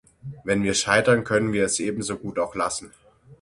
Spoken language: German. Wenn wir scheitern, können wir es ebenso gut auch lassen.